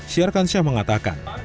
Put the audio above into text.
siarkan syah mengatakan